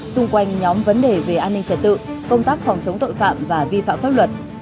xung quanh nhóm vấn đề về an ninh trật tự công tác phòng chống tội phạm và vi phạm pháp luật